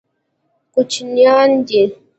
کوچیان دي.